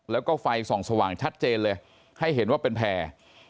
แล้วก็ไฟส่องสว่างชัดเจนเลยให้เห็นว่าเป็นแพร่